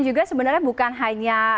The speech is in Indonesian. juga sebenarnya bukan hanya